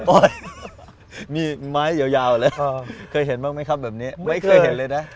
มีไม้ยาวแล้วเคยเห็นบ้างไหมครับแบบนี้ไม่เคยเห็นเลยนะ